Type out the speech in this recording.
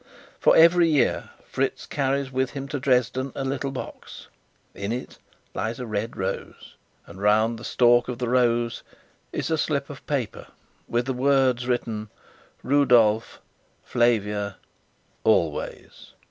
For every year Fritz carries with him to Dresden a little box; in it lies a red rose, and round the stalk of the rose is a slip of paper with the words written: "Rudolf Flavia always."